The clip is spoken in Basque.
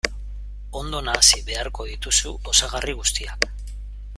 Ondo nahasi beharko dituzu osagarri guztiak.